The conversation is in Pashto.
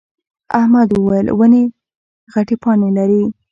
احمد وويل: ونې غتې پاڼې لري.